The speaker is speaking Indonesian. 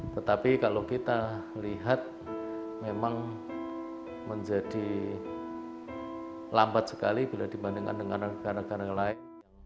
tetapi kalau kita lihat memang menjadi lambat sekali bila dibandingkan dengan negara negara lain